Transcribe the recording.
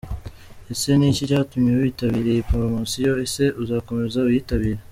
Ese niki cyatumye witabira iyi promosiyo? Ese uzakomeza uyitabire ?.